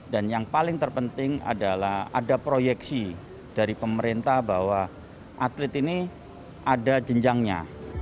dan yang paling terpenting adalah ada proyeksi dari pemerintah bahwa atlet ini ada jenjangnya